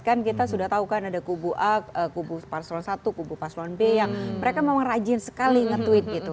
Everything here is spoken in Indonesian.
kan kita sudah tahu kan ada kubu a kubu paslon satu kubu paslon b yang mereka memang rajin sekali nge tweet gitu